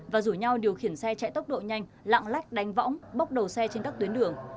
và rủ nhau điều khiển xe chạy tốc độ nhanh lạng lách đánh võng bốc đầu xe trên các tuyến đường